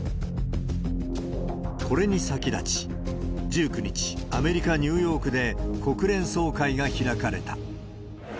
これに先立ち、１９日、アメリカ・ニューヨークで国連総会が開かれた。